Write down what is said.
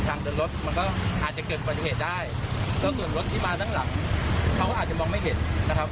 แล้วผมก็บอกว่าอย่าทึกภาพผมไม่เป็นไรนะครับ